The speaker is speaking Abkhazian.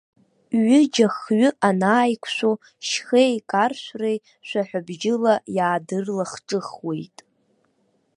Ҩыџьа-хҩы анааиқәшәо, шьхеи каршәреи шәаҳәабжьыла иаадырлахҿыхуеит.